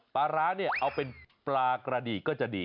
ปลาร้าเนี่ยเอาเป็นปลากระดีก็จะดี